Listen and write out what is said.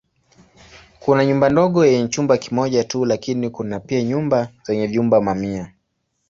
Kuna nyumba ndogo yenye chumba kimoja tu lakini kuna pia nyumba zenye vyumba mamia.